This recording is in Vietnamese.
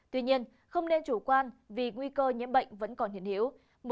tuy nhiên không nên chủ quan vì nguy cơ nhiễm bệnh vẫn còn hiện hiểu